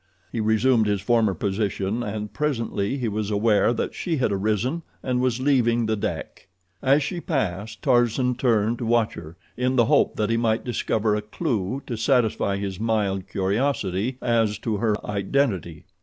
He resumed his former position, and presently he was aware that she had arisen and was leaving the deck. As she passed, Tarzan turned to watch her, in the hope that he might discover a clew to satisfy his mild curiosity as to her identity.